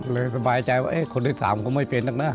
เลยสบายใจว่าคนที่๓ไม่เป็นแล้วนะ